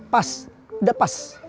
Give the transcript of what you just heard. pas udah pas